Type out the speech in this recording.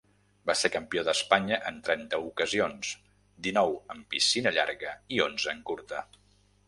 Va ser campió d'Espanya en trenta ocasions, dinou en piscina llarga i onze en curta.